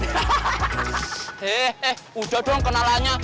eh udah dong kenalannya